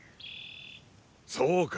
そうか。